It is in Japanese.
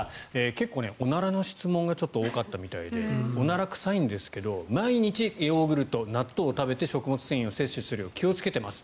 結構、おならの質問がちょっと多かったみたいでおなら臭いんですけど毎日ヨーグルト納豆を食べて食物繊維を摂取するよう気をつけています。